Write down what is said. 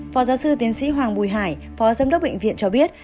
phó giáo sư tiến sĩ hoàng bùi hải phó giám đốc bệnh viện cho biết